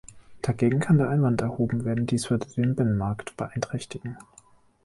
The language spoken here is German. Dagegen kann der Einwand erhoben werden, dies würde den Binnenmarkt beeinträchtigen.